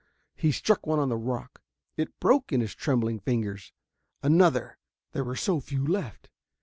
He struck one on the rock; it broke in his trembling fingers. Another there were so few left.